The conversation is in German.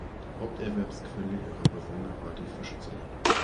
Haupterwerbsquelle ihrer Bewohner war die Fischzucht.